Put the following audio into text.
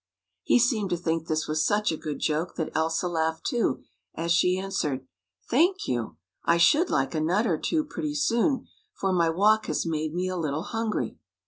He seemed to think this was such a good joke that Elsa laughed, too, as she answered: " Thank you. I should like a nut or two pretty soon, for my walk has made me a little hungry."